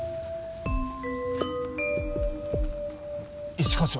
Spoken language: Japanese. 一課長。